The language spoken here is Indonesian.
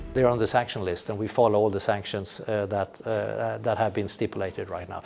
mereka di lantai sanksi dan kita mengikuti semua sanksi yang telah dikonsumsikan sekarang